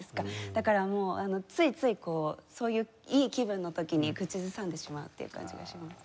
だからもうついついこうそういういい気分の時に口ずさんでしまうっていう感じがします。